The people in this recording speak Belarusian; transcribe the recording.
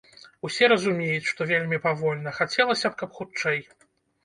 Усе разумеюць, што вельмі павольна, хацелася б, каб хутчэй.